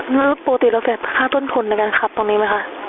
นึกปกติแล้วเสร็จค่าท่วนผลในการขับตรงนี้ไหมคะ